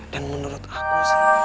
dan menurut aku